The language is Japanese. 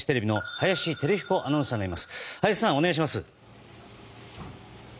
林さん、お願いします。